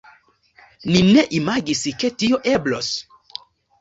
Ni ne imagis, ke tio eblos.